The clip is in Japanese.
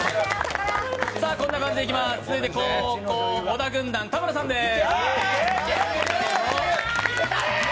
続いて、後攻・小田軍団の田村さんです。